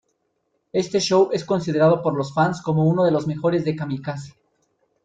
Este show es considerado por los fans como uno de los mejores de "Kamikaze".